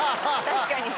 確かに。